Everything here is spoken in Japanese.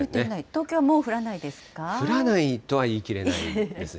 東京はもう降降らないとは言い切れないです。